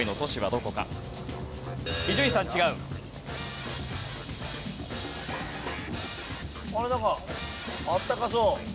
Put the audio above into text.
なんかあったかそう。